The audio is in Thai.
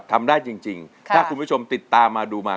ทำได้จริงถ้าคุณผู้ชมติดตามมาดูมา